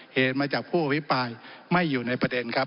เหตุมาจากผู้อภิปรายไม่อยู่ในประเด็นครับ